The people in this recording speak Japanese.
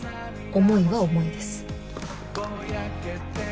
思いは思いです。